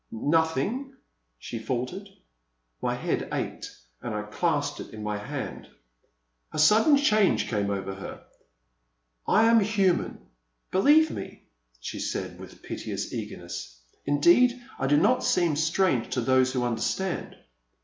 "Nothing," — she faltered. My head ached and I clasped it in my hand. A sudden change came over her. " I am human, — ^believe me!" — she said with piteous eagerness ;" indeed I do not seem strange to those who understand.